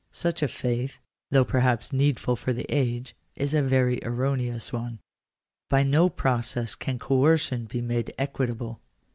Such a faith, though perhaps needful for the age, is a very erroneous one. By no process can coercion be made equitable.